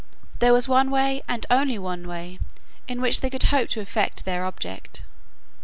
There was one way, and one way only, in which they could hope to effect their object.